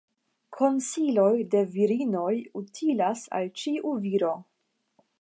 Konsiloj de virinoj utilas al ĉiu viro.